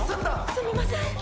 すみません。